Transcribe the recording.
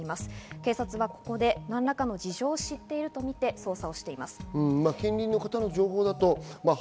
警察はここで何らかの事情を知っているとみて、捜査しています。